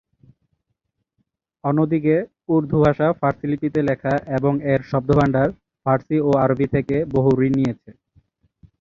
অন্যদিকে উর্দু ভাষা ফার্সি লিপিতে লেখা এবং এর শব্দভাণ্ডার ফার্সি ও আরবি থেকে বহু ঋণ নিয়েছে।